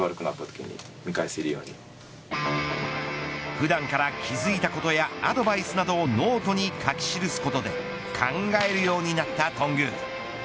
普段から気付いたことやアドバイスなどをノートに書き記すことで考えるようになった頓宮。